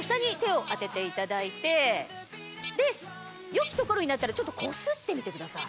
よきところになったらちょっとこすってみてください。